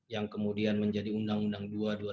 yang kemudian menjadi undang undang dua dua ribu dua